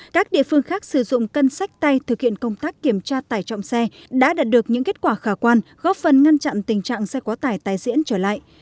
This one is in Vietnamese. các địa phương khác sử dụng cân sách tay thực hiện công tác kiểm tra tải trọng xe đã đạt được những kết quả khả quan góp phần ngăn chặn tình trạng xe quá tải tài diễn trở lại